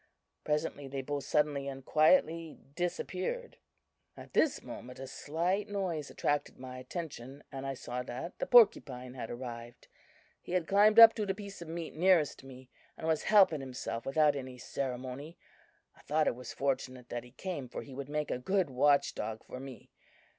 Presently they both suddenly and quietly disappeared. "At this moment a slight noise attracted my attention, and I saw that the porcupine had arrived. He had climbed up to the piece of meat nearest me, and was helping himself without any ceremony. I thought it was fortunate that he came, for he would make a good watch dog for me.